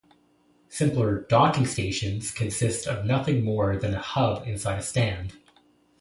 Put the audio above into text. Simpler "docking stations" consist of nothing more than a hub inside a stand.